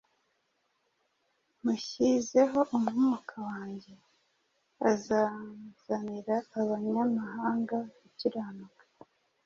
Mushyizeho Umwuka wanjye; azazanira abanyamahanga gukiranuka.